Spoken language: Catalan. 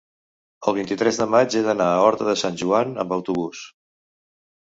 el vint-i-tres de maig he d'anar a Horta de Sant Joan amb autobús.